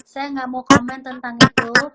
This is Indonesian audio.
saya nggak mau komen tentang itu